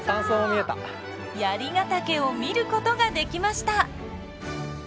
槍ヶ岳を見ることができました。